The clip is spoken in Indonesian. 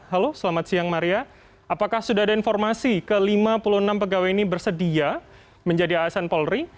halo selamat siang maria apakah sudah ada informasi ke lima puluh enam pegawai ini bersedia menjadi asn polri